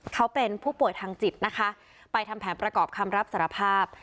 เขาเป็นผู้ป่วยทางจิตนะคะไปทำแผนประกอบคำรับสารภาพ